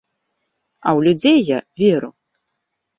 А ў людзей я веру.